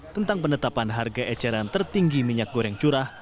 tentang penetapan harga eceran tertinggi minyak goreng curah